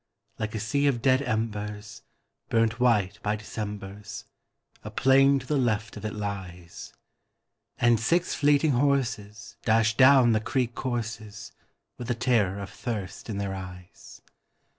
Like a sea of dead embers, burnt white by Decembers, A plain to the left of it lies; And six fleeting horses dash down the creek courses With the terror of thirst in their eyes.